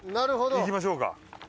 行きましょうか。